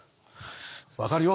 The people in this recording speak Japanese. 分かるよ。